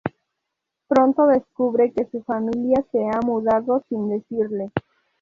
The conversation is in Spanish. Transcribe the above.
Pronto descubre que su familia se ha mudado sin decirle.